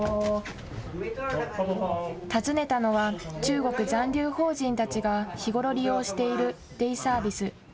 訪ねたのは中国残留邦人たちが日頃、利用しているデイサービス。